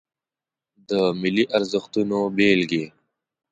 د ملي ارزښتونو بیلګې